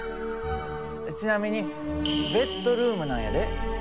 ちなみにベッドルームなんやで。